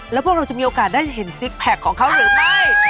แล้วพวกเราจะมีโอกาสได้เห็นซิกแพคของเขาหรือไม่